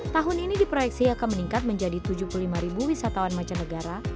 tahun ini diproyeksi akan meningkat menjadi tujuh puluh lima wisatawan macanegara